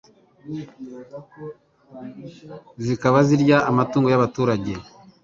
zikaba zirya amatungo y'abaturage